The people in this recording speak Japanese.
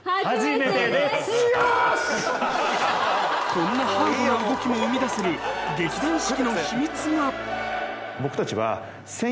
こんなハードな動きも生み出せる劇団四季のヒミツが僕たちは。